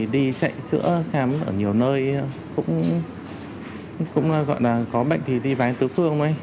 đi chạy sữa khám ở nhiều nơi cũng gọi là có bệnh thì đi vái tứ phương thôi